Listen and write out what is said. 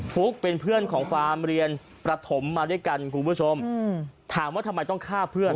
ฟุ๊กเป็นเพื่อนของฟาร์มเรียนประถมมาด้วยกันคุณผู้ชมถามว่าทำไมต้องฆ่าเพื่อน